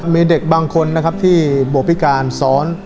มีเด็กบางคนนะครับที่บวชพิการซ้อน